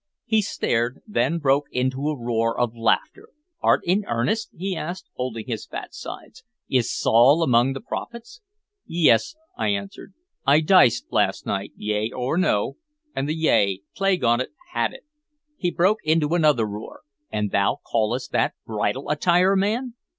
He stared, then broke into a roar of laughter. "Art in earnest?" he asked, holding his fat sides. "Is Saul among the prophets?" "Yes," I answered. "I diced last night, yea or no; and the 'yea' plague on 't had it." He broke into another roar. "And thou callest that bridal attire, man!